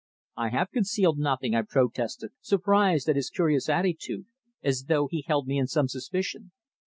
"I have concealed nothing," I protested, surprised at his curious attitude, as though he held me in some suspicion.